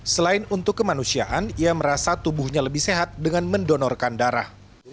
selain untuk kemanusiaan ia merasa tubuhnya lebih sehat dengan mendonorkan darah